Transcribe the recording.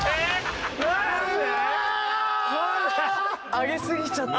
上げすぎちゃった。